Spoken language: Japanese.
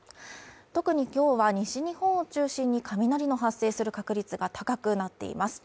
特に今日は西日本を中心に雷の発生する確率が高くなっています。